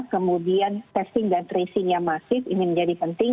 kemudian testing dan tracing yang masih ingin menjadi penting